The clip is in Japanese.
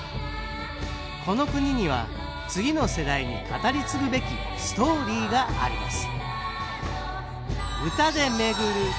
この国には次の世代に語り継ぐべきストーリーがあります